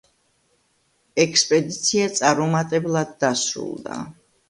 ექსპედიცია წარუმატებლად დასრულდა.